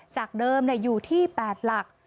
จากเดิมอยู่ที่๘หลัก